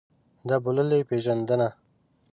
د بوللې پېژندنه.